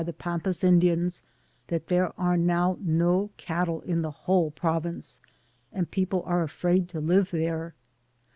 the Pampas Indians, that there are now no cattle in the whole province, and people are afraid to live there.